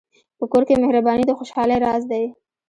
په کور کې مهرباني د خوشحالۍ راز دی.